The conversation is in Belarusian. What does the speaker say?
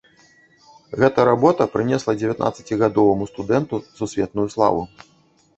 Гэта работа прынесла дзевятнаццацігадоваму студэнту сусветную славу.